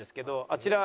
あちら？